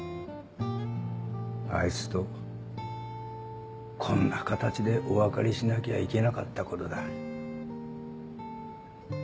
あいつとこんな形でお別れしなきゃいけなかったことだ。